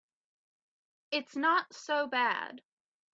It's not so bad.